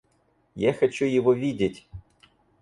Я хочу его видеть.